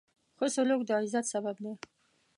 ښه سلوک د عزت سبب دی.